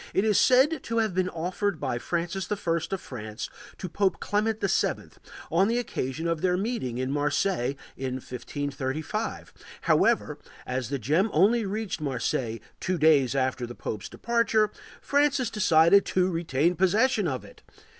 It is said to have been offered by Francis I of France to Pope Clement VII, on the occasion of their meeting in Marseilles in 1535; however, as the gem only reached Marseilles two days after the pope's departure, Francis decided to retain possession of it.